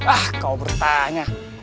ah kau bertanya